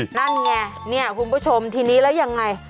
นั่นไงเนี่ยคุณผู้ชมทีนี้แล้วยังไง